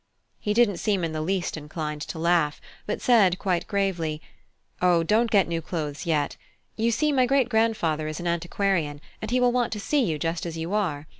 He didn't seem in the least inclined to laugh, but said quite gravely: "O don't get new clothes yet. You see, my great grandfather is an antiquarian, and he will want to see you just as you are.